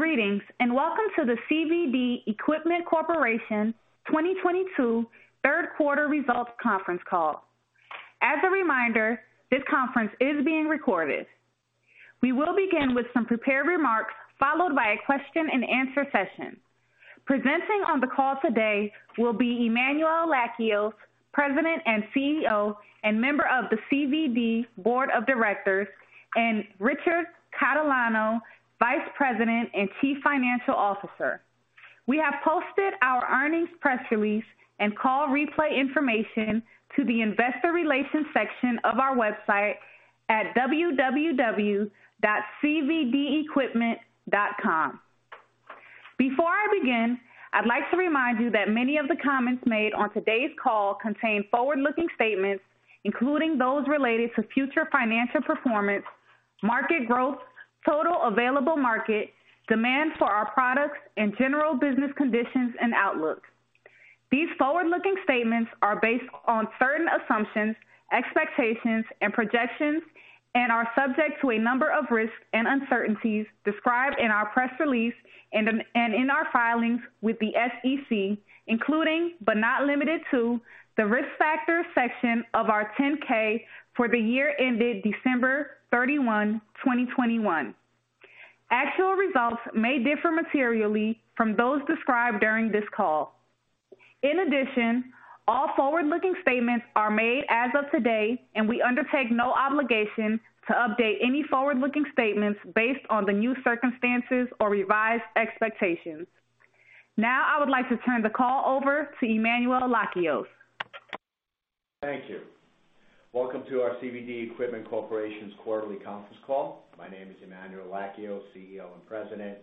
Greetings, and welcome to the CVD Equipment Corporation 2022 third quarter results conference call. As a reminder, this conference is being recorded. We will begin with some prepared remarks, followed by a question-and-answer session. Presenting on the call today will be Emmanuel Lakios, President and CEO, and member of the CVD Board of Directors, and Richard Catalano, Vice President and Chief Financial Officer. We have posted our earnings press release and call replay information to the investor relations section of our website at www.cvdequipment.com. Before I begin, I'd like to remind you that many of the comments made on today's call contain forward-looking statements, including those related to future financial performance, market growth, total available market, demand for our products, and general business conditions and outlooks. These forward-looking statements are based on certain assumptions, expectations, and projections, and are subject to a number of risks and uncertainties described in our press release and in our filings with the SEC, including but not limited to the Risk Factors section of our 10-K for the year ended December 31, 2021. Actual results may differ materially from those described during this call. In addition, all forward-looking statements are made as of today, and we undertake no obligation to update any forward-looking statements based on the new circumstances or revised expectations. Now I would like to turn the call over to Emmanuel Lakios. Thank you. Welcome to our CVD Equipment Corporation's quarterly conference call. My name is Emmanuel Lakios, CEO and President,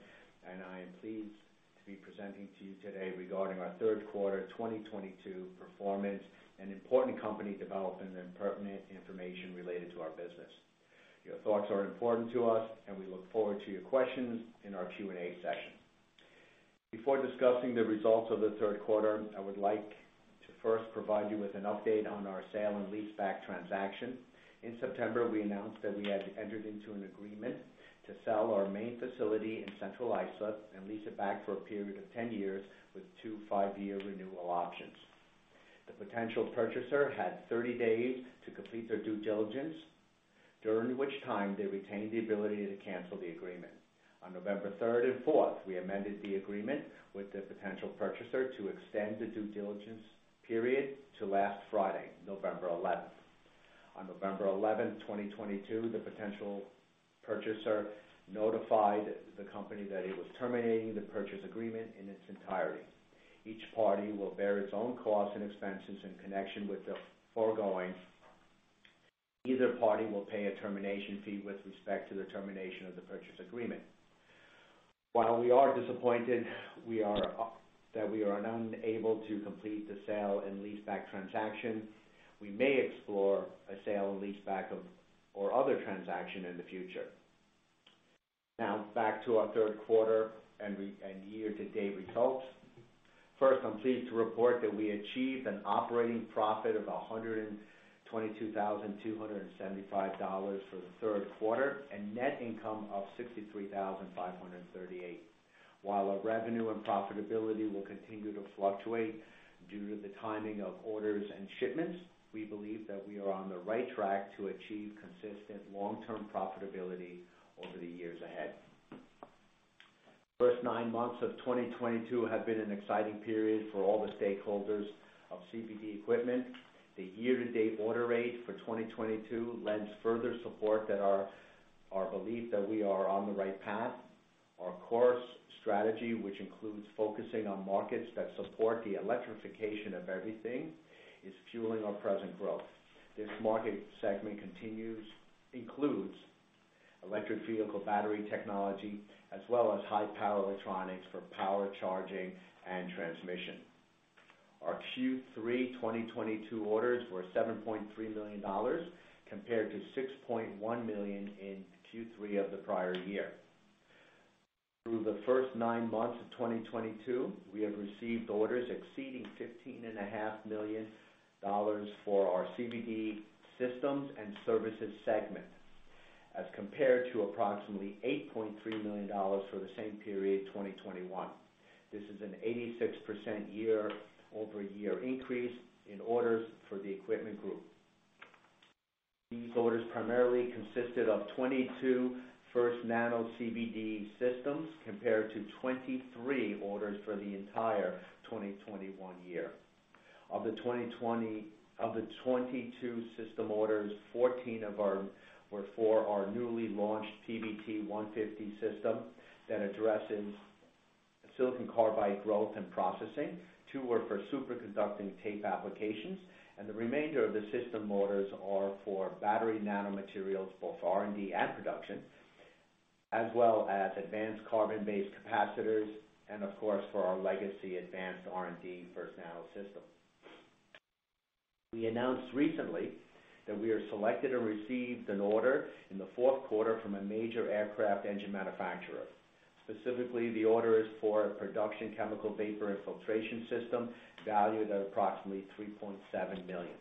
and I am pleased to be presenting to you today regarding our third quarter 2022 performance and important company developments and pertinent information related to our business. Your thoughts are important to us, and we look forward to your questions in our Q&A session. Before discussing the results of the third quarter, I would like to first provide you with an update on our sale and leaseback transaction. In September, we announced that we had entered into an agreement to sell our main facility in Central Islip and lease it back for a period of 10 years with two 5-year renewal options. The potential purchaser had 30 days to complete their due diligence, during which time they retained the ability to cancel the agreement. On November 3rd and 4th, we amended the agreement with the potential purchaser to extend the due diligence period to last Friday, November 11th. On November 11th, 2022, the potential purchaser notified the company that it was terminating the purchase agreement in its entirety. Each party will bear its own costs and expenses in connection with the foregoing. Neither party will pay a termination fee with respect to the termination of the purchase agreement. While we are disappointed that we are unable to complete the sale and leaseback transaction, we may explore a sale and leaseback or other transaction in the future. Now back to our third quarter and year-to-date results. First, I'm pleased to report that we achieved an operating profit of $122,275 for the third quarter and net income of $63,538. While our revenue and profitability will continue to fluctuate due to the timing of orders and shipments, we believe that we are on the right track to achieve consistent long-term profitability over the years ahead. First nine months of 2022 have been an exciting period for all the stakeholders of CVD Equipment. The year-to-date order rate for 2022 lends further support that our belief that we are on the right path. Our course strategy, which includes focusing on markets that support the electrification of everything, is fueling our present growth. This market segment includes electric vehicle battery technology, as well as high power electronics for power charging and transmission. Our Q3 2022 orders were $7.3 million compared to $6.1 million in Q3 of the prior year. Through the first nine months of 2022, we have received orders exceeding $15.5 million for our CVD systems and services segment, as compared to approximately $8.3 million for the same period in 2021. This is an 86% YoY increase in orders for the equipment group. These orders primarily consisted of 22 FirstNano CVD systems, compared to 23 orders for the entire 2021 year. Of the 22 system orders, 14 were for our newly launched PVT-150 system that addresses silicon carbide growth and processing. Two were for superconducting tape applications, and the remainder of the system orders are for battery nanomaterials, both R&D and production, as well as advanced carbon-based capacitors and of course, for our legacy advanced R&D FirstNano system. We announced recently that we are selected and received an order in the fourth quarter from a major aircraft engine manufacturer. Specifically, the order is for a production chemical vapor infiltration system valued at approximately $3.7 million.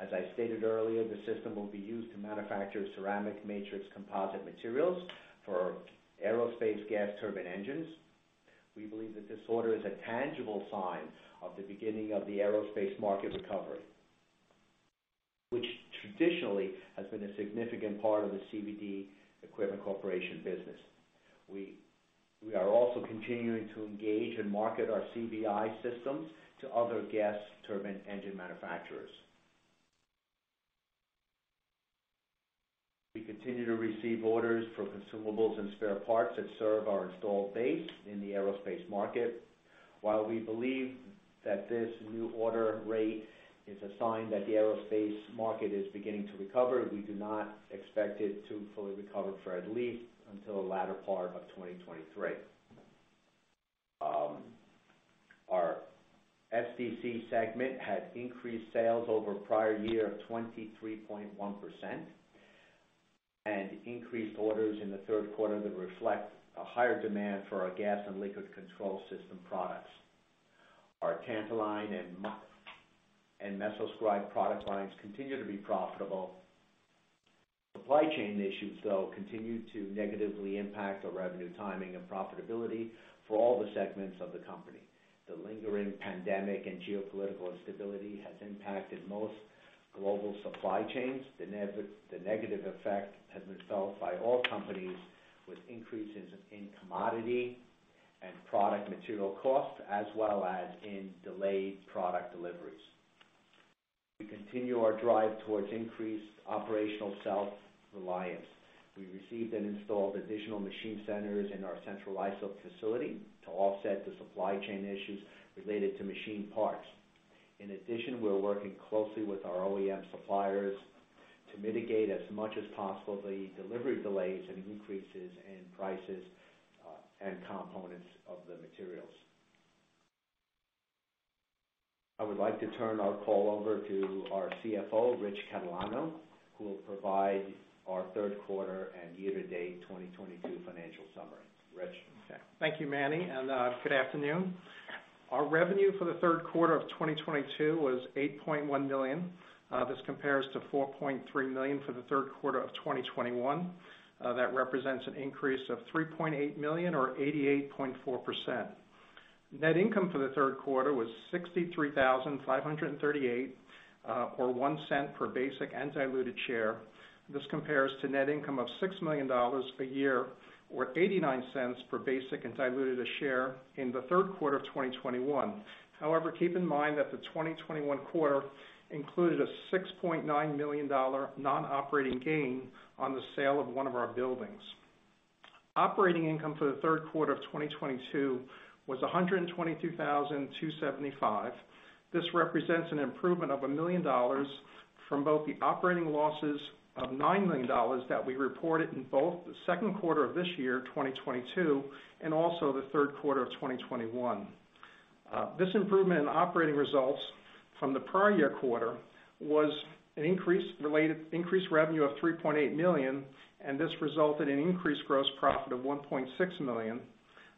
As I stated earlier, the system will be used to manufacture ceramic matrix composite materials for aerospace gas turbine engines. We believe that this order is a tangible sign of the beginning of the aerospace market recovery, which traditionally has been a significant part of the CVD Equipment Corporation business. We are also continuing to engage and market our CVI systems to other gas turbine engine manufacturers. We continue to receive orders for consumables and spare parts that serve our installed base in the aerospace market. While we believe that this new order rate is a sign that the aerospace market is beginning to recover, we do not expect it to fully recover for at least until the latter part of 2023. Our SDC segment had increased sales over prior year of 23.1% and increased orders in the third quarter that reflect a higher demand for our gas and liquid control system products. Our Tantaline and MesoScribe product lines continue to be profitable. Supply chain issues, though, continue to negatively impact the revenue timing and profitability for all the segments of the company. The lingering pandemic and geopolitical instability has impacted most global supply chains. The negative effect has been felt by all companies with increases in commodity and product material costs as well as in delayed product deliveries. We continue our drive towards increased operational self-reliance. We received and installed additional machine centers in our Central Islip facility to offset the supply chain issues related to machine parts. In addition, we're working closely with our OEM suppliers to mitigate as much as possible the delivery delays and increases in prices and components of the materials. I would like to turn our call over to our CFO, Rich Catalano, who will provide our third quarter and year-to-date 2022 financial summary. Rich? Okay. Thank you, Manny, and good afternoon. Our revenue for the third quarter of 2022 was $8.1 million. This compares to $4.3 million for the third quarter of 2021. That represents an increase of $3.8 million or 88.4%. Net income for the third quarter was $63,538 or $0.01 per basic and diluted share. This compares to net income of $6 million a year ago or $0.89 per basic and diluted share in the third quarter of 2021. However, keep in mind that the 2021 quarter included a $6.9 million non-operating gain on the sale of one of our buildings. Operating income for the third quarter of 2022 was $122,275. This represents an improvement of $1 million from both the operating losses of $9 million that we reported in both the second quarter of this year, 2022, and also the third quarter of 2021. This improvement in operating results from the prior year quarter was increased revenue of $3.8 million, and this resulted in increased gross profit of $1.6 million.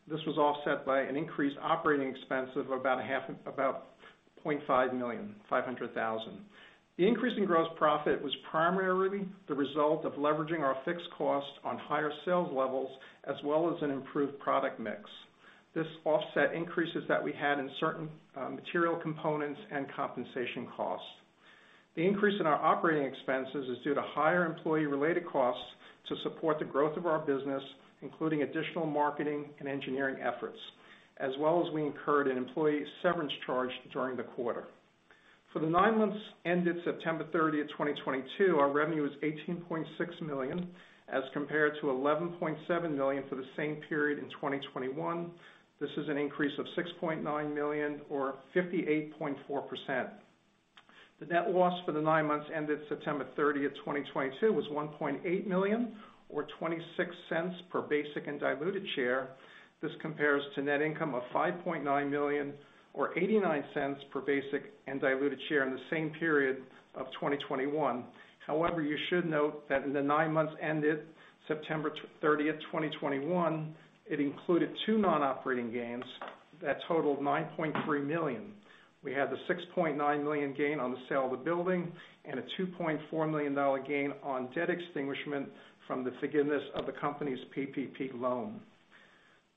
This was offset by an increased operating expense of about $0.5 million, $500,000. The increase in gross profit was primarily the result of leveraging our fixed costs on higher sales levels as well as an improved product mix. This offset increases that we had in certain material components and compensation costs. The increase in our operating expenses is due to higher employee-related costs to support the growth of our business, including additional marketing and engineering efforts, as well as we incurred an employee severance charge during the quarter. For the nine months ended September thirtieth, 2022, our revenue was $18.6 million as compared to $11.7 million for the same period in 2021. This is an increase of $6.9 million or 58.4%. The net loss for the nine months ended September 30th, 2022 was $1.8 million or $0.26 Per basic and diluted share. This compares to net income of $5.9 million or $0.89 Per basic and diluted share in the same period of 2021. However, you should note that in the 9 months ended September 30th, 2021, it included 2 non-operating gains that totaled $9.3 million. We had the $6.9 million gain on the sale of the building and a $2.4 million gain on debt extinguishment from the forgiveness of the company's PPP loan.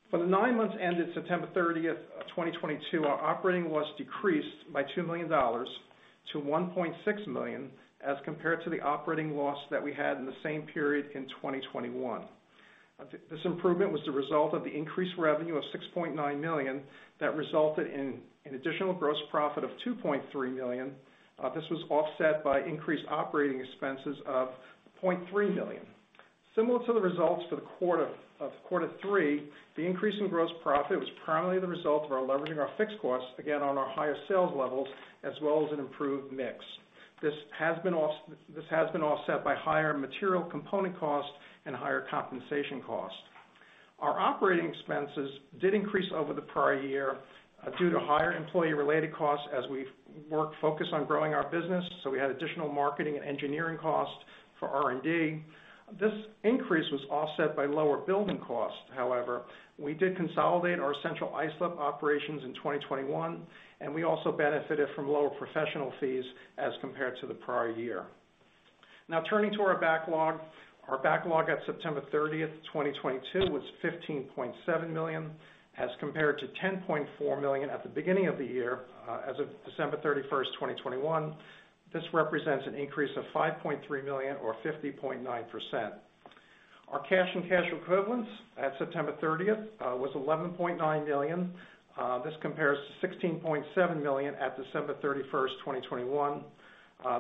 For the 9 months ended September 30th, 2022, our operating loss decreased by $2 million to $1.6 million as compared to the operating loss that we had in the same period in 2021. This improvement was the result of the increased revenue of $6.9 million that resulted in an additional gross profit of $2.3 million. This was offset by increased operating expenses of $0.3 million. Similar to the results for the third quarter, the increase in gross profit was primarily the result of our leveraging our fixed costs, again, on our higher sales levels as well as an improved mix. This has been offset by higher material component costs and higher compensation costs. Our operating expenses did increase over the prior year, due to higher employee-related costs as we worked, focused on growing our business, so we had additional marketing and engineering costs for R&D. This increase was offset by lower building costs, however. We did consolidate our Central Islip operations in 2021, and we also benefited from lower professional fees as compared to the prior year. Now turning to our backlog. Our backlog at September 30th, 2022 was $15.7 million, as compared to $10.4 million at the beginning of the year, as of December 31st, 2021. This represents an increase of $5.3 million or 50.9%. Our cash and cash equivalents at September 30th was $11.9 million. This compares to $16.7 million at December 31st, 2021.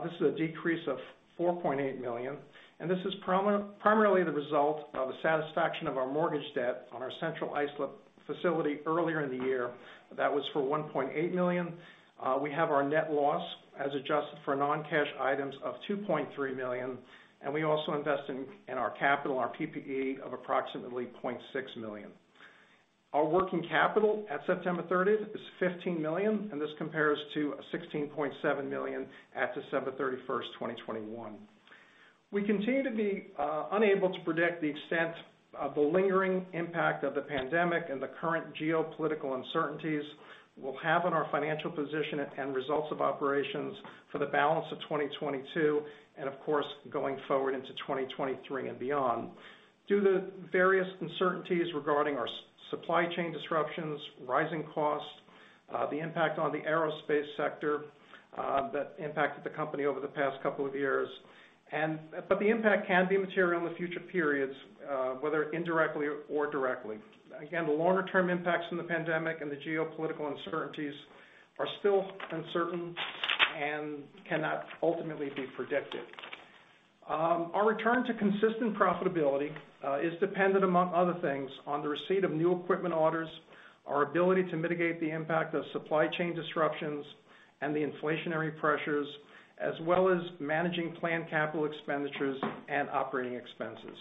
This is a decrease of $4.8 million, and this is primarily the result of the satisfaction of our mortgage debt on our Central Islip facility earlier in the year. That was for $1.8 million. We have our net loss as adjusted for non-cash items of $2.3 million, and we also invested in our capital, our PPE, of approximately $0.6 million. Our working capital at September 30th is $15 million, and this compares to $16.7 million at December 31st, 2021. We continue to be unable to predict the extent of the lingering impact of the pandemic and the current geopolitical uncertainties will have on our financial position and results of operations for the balance of 2022 and, of course, going forward into 2023 and beyond. Due to various uncertainties regarding our supply chain disruptions, rising costs, the impact on the aerospace sector, that impacted the company over the past couple of years. The impact can be material in the future periods, whether indirectly or directly. Again, the longer-term impacts from the pandemic and the geopolitical uncertainties are still uncertain and cannot ultimately be predicted. Our return to consistent profitability is dependent, among other things, on the receipt of new equipment orders, our ability to mitigate the impact of supply chain disruptions and the inflationary pressures, as well as managing planned capital expenditures and operating expenses.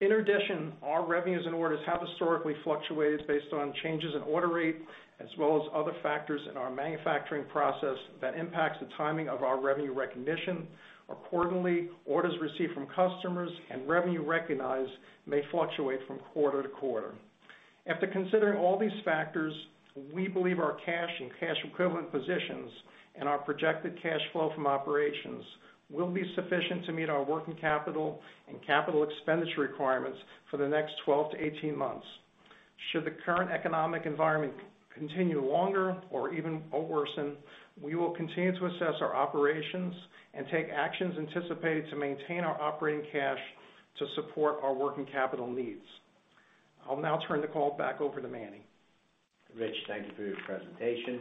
In addition, our revenues and orders have historically fluctuated based on changes in order rate as well as other factors in our manufacturing process that impacts the timing of our revenue recognition. Accordingly, orders received from customers and revenue recognized may fluctuate from quarter to quarter. After considering all these factors, we believe our cash and cash equivalent positions and our projected cash flow from operations will be sufficient to meet our working capital and capital expenditure requirements for the next 12-18 months. Should the current economic environment continue longer or even worsen, we will continue to assess our operations and take actions anticipated to maintain our operating cash to support our working capital needs. I'll now turn the call back over to Manny. Rich, thank you for your presentation.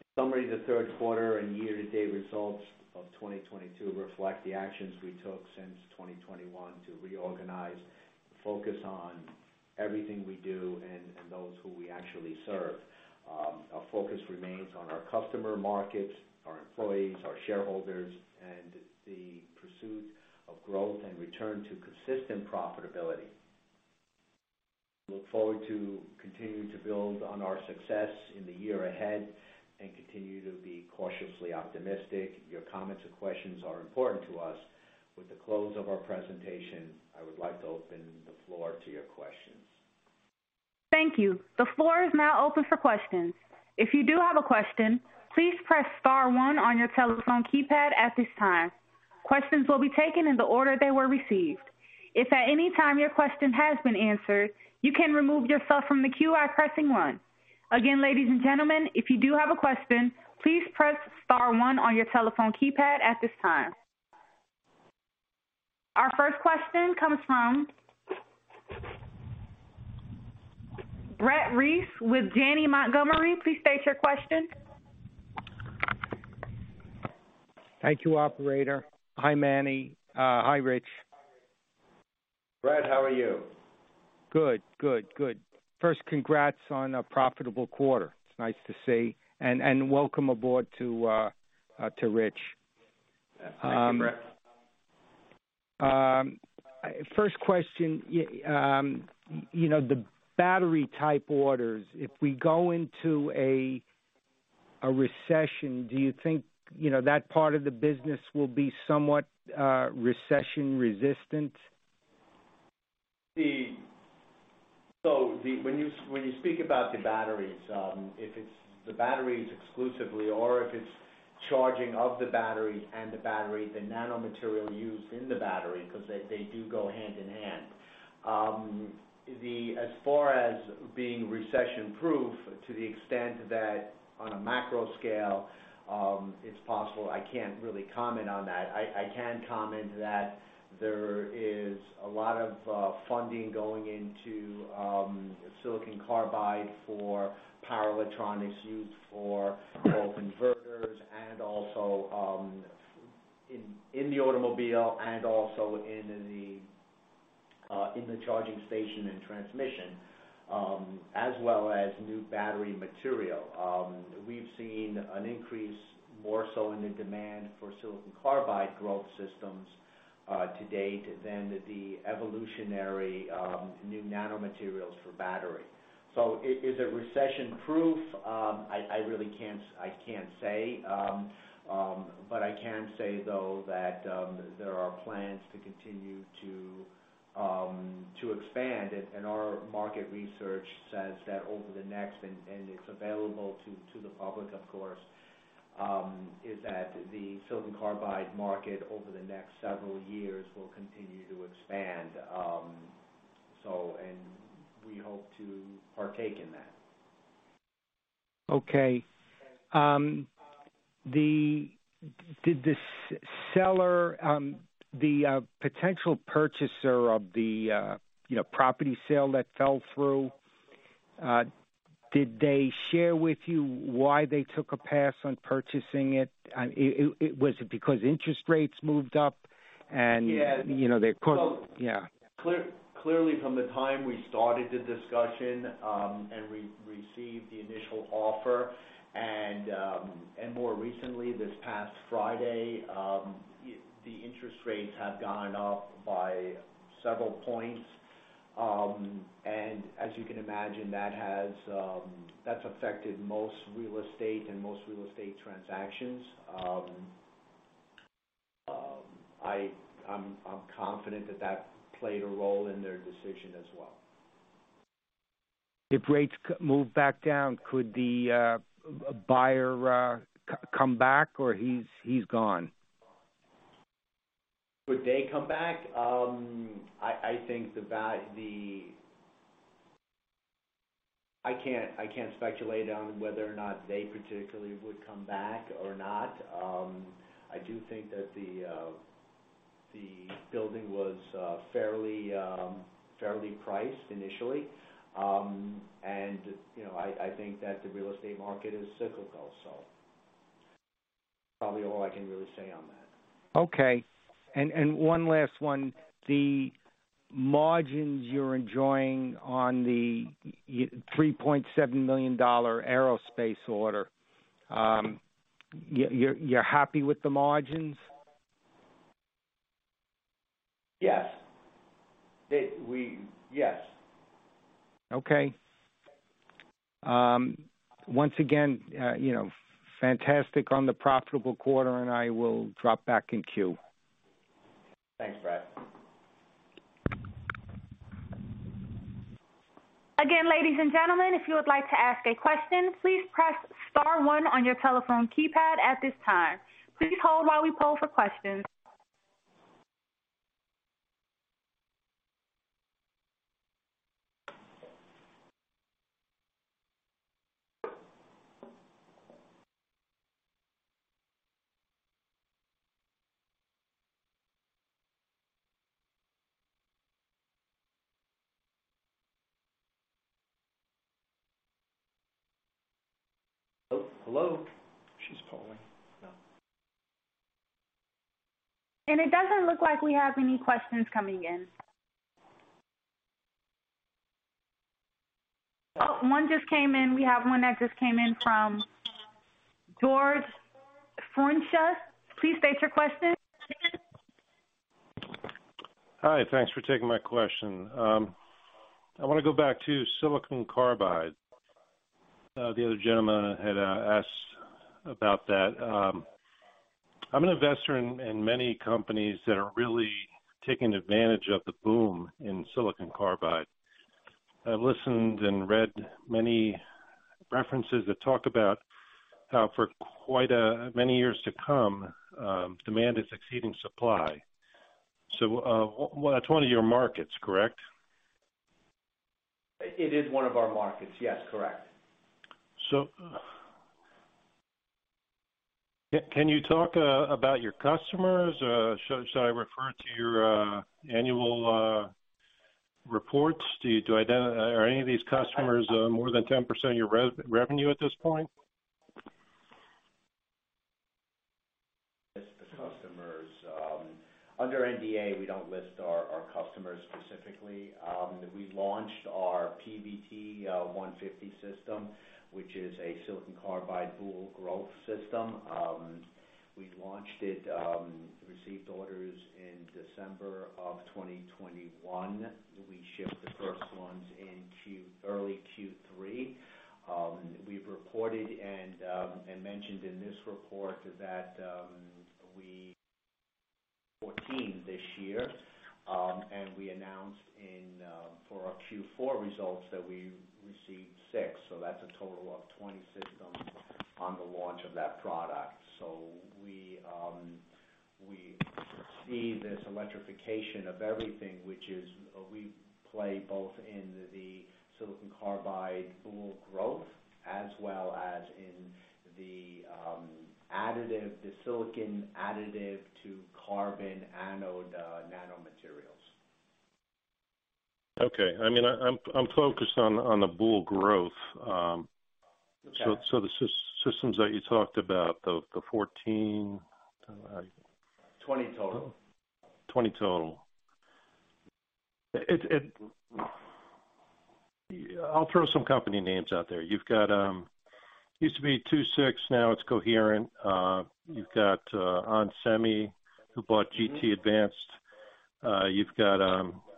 In summary, the third quarter and year-to-date results of 2022 reflect the actions we took since 2021 to reorganize, focus on everything we do and those who we actually serve. Our focus remains on our customer markets, our employees, our shareholders, and the pursuit of growth and return to consistent profitability. Look forward to continuing to build on our success in the year ahead and continue to be cautiously optimistic. Your comments and questions are important to us. With the close of our presentation, I would like to open the floor to your questions. Thank you. The floor is now open for questions. If you do have a question, please press star one on your telephone keypad at this time. Questions will be taken in the order they were received. If at any time your question has been answered, you can remove yourself from the queue by pressing one. Again, ladies and gentlemen, if you do have a question, please press star one on your telephone keypad at this time. Our first question comes from Brett Reiss with Janney Montgomery Scott. Please state your question. Thank you, operator. Hi, Manny. Hi, Rich. Brett, how are you? Good. First, congrats on a profitable quarter. It's nice to see. Welcome aboard to Rich. Thank you, Brett. First question. You know, the battery type orders, if we go into a recession, do you think, you know, that part of the business will be somewhat recession resistant? When you speak about the batteries, if it's the batteries exclusively or if it's charging of the batteries and the battery, the nanomaterial used in the battery, because they do go hand in hand. As far as being recession-proof, to the extent that on a macro scale it's possible, I can't really comment on that. I can comment that there is a lot of funding going into silicon carbide for power electronics used for both converters and also in the automobile and also in the charging station and transmission, as well as new battery material. We've seen an increase more so in the demand for silicon carbide growth systems to date than the revolutionary new nanomaterials for battery. Is it recession-proof? I really can't say. But I can say, though, that there are plans to continue to expand. Our market research says that over the next, and it's available to the public, of course, is that the silicon carbide market over the next several years will continue to expand, and we hope to partake in that. Okay. Did the seller, the potential purchaser of the, you know, property sale that fell through, did they share with you why they took a pass on purchasing it? It was because interest rates moved up and Yeah. You know, they put. Yeah. Clearly from the time we started the discussion, and we received the initial offer and more recently this past Friday, the interest rates have gone up by several points. As you can imagine, that's affected most real estate and most real estate transactions. I'm confident that played a role in their decision as well. If rates come back down, could the buyer come back or he's gone? Would they come back? I think I can't speculate on whether or not they particularly would come back or not. I do think that the building was fairly priced initially. You know, I think that the real estate market is cyclical. Probably all I can really say on that. Okay. One last one. The margins you're enjoying on the $3.7 million aerospace order, you're happy with the margins? Yes. Yes. Okay. Once again, you know, fantastic on the profitable quarter, and I will drop back in queue. Thanks, Brett. Again, ladies and gentlemen, if you would like to ask a question, please press star one on your telephone keypad at this time. Please hold while we poll for questions. Hello? Hello? She's polling. Yeah. It doesn't look like we have any questions coming in. Oh, one just came in. We have one that just came in from George [Furnsha]. Please state your question. Hi. Thanks for taking my question. I wanna go back to silicon carbide. The other gentleman had asked about that. I'm an investor in many companies that are really taking advantage of the boom in silicon carbide. I've listened and read many references that talk about how for quite many years to come, demand is exceeding supply. Well, that's one of your markets, correct? It is one of our markets, yes. Correct. Can you talk about your customers? Should I refer to your annual reports? Are any of these customers more than 10% of your revenue at this point? The customers. Under NDA, we don't list our customers specifically. We launched our PVT-150 system, which is a silicon carbide boule growth system. We launched it, received orders in December of 2021. We shipped the first ones in early Q3. We've reported and mentioned in this report that fourteen this year, and we announced for our Q4 results that we received six. That's a total of 20 systems on the launch of that product. We see this electrification of everything which is, we play both in the silicon carbide boule growth as well as in the additive, the silicon additive to carbon anode nanomaterials. Okay. I mean, I'm focused on the boule growth. Okay. the systems that you talked about, the fourteen. 20 total. 20 total. I'll throw some company names out there. You've got used to be II-VI, now it's Coherent. You've got onsemi who bought GT Advanced Technologies. You've got,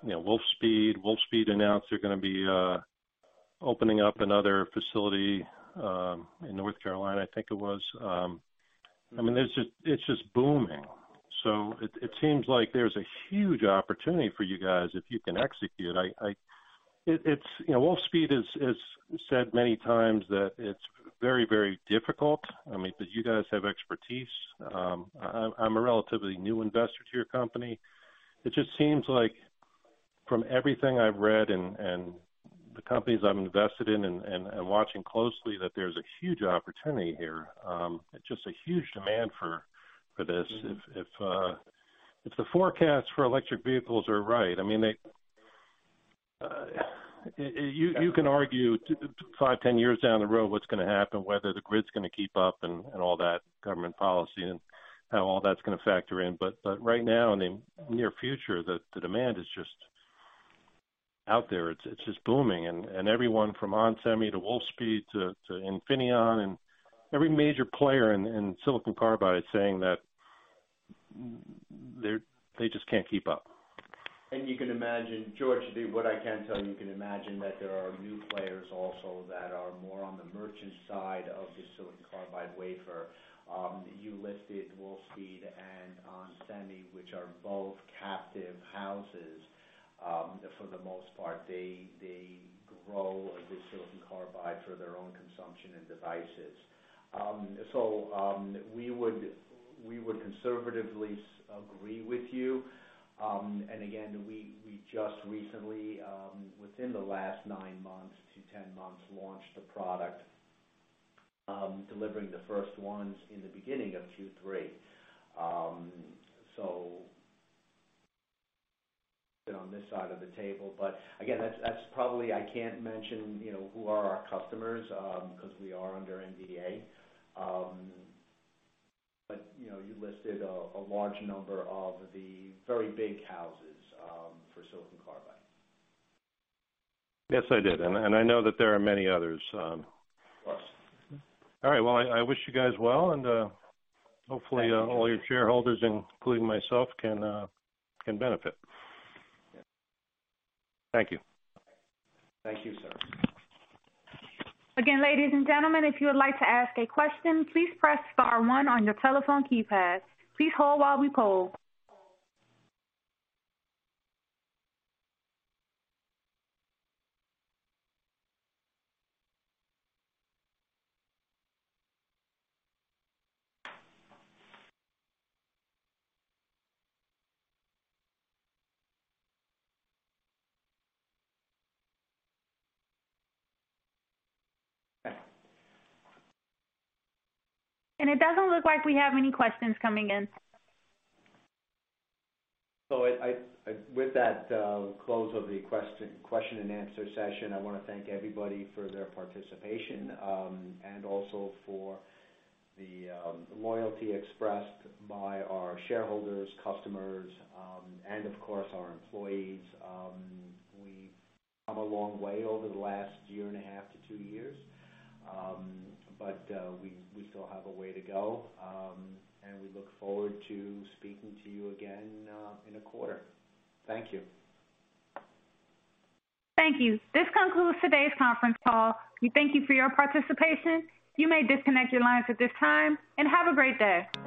you know, Wolfspeed. Wolfspeed announced they're gonna be opening up another facility in North Carolina, I think it was. I mean, it's just booming. It seems like there's a huge opportunity for you guys if you can execute. It, you know, Wolfspeed has said many times that it's very difficult. I mean, but you guys have expertise. I'm a relatively new investor to your company. It just seems like from everything I've read and the companies I'm invested in and watching closely that there's a huge opportunity here, just a huge demand for this. If the forecasts for electric vehicles are right, I mean, you can argue five, 10 years down the road what's gonna happen, whether the grid's gonna keep up and all that government policy and how all that's gonna factor in. Right now, in the near future, the demand is just out there. It's just booming, and everyone from onsemi to Wolfspeed to Infineon and every major player in silicon carbide is saying that they just can't keep up. You can imagine, George, what I can tell you. You can imagine that there are new players also that are more on the merchant side of the silicon carbide wafer. You listed Wolfspeed and onsemi, which are both captive houses, for the most part. They grow the silicon carbide for their own consumption and devices. We would conservatively agree with you. We just recently, within the last 9 months to 10 months, launched the product, delivering the first ones in the beginning of Q3. We've been on this side of the table, but again, that's probably. I can't mention, you know, who are our customers, because we are under NDA. You know, you listed a large number of the very big houses for silicon carbide. Yes, I did. I know that there are many others. Yes. All right. Well, I wish you guys well, and hopefully. Thank you. All your Shareholders, including myself, can benefit. Yeah. Thank you. Thank you, sir. Again, ladies and gentlemen, if you would like to ask a question, please press star one on your telephone keypad. Please hold while we poll. It doesn't look like we have any questions coming in. With that, we'll close out the question and answer session. I wanna thank everybody for their participation and also for the loyalty expressed by our shareholders, customers, and of course, our employees. We've come a long way over the last year and a half to two years. We still have a way to go. We look forward to speaking to you again in a quarter. Thank you. Thank you. This concludes today's conference call. We thank you for your participation. You may disconnect your lines at this time, and have a great day.